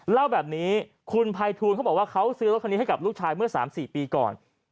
เล่าแบบนี้คุณภัยทูลเขาบอกว่าเขาซื้อรถคันนี้ให้กับลูกชายเมื่อ๓๔ปีก่อน